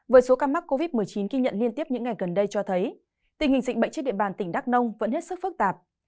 với số ca mắc covid một mươi chín ghi nhận liên tiếp những ngày gần đây cho thấy tình hình dịch bệnh trên địa bàn tỉnh đắk nông vẫn hết sức phức tạp